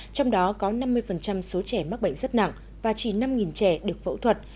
trong đó có năm mươi số trẻ mắc bệnh rất nặng và chỉ năm trẻ được phẫu thuật